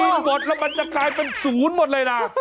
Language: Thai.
หมดแล้วมันจะกลายเป็นศูนย์หมดเลยนะ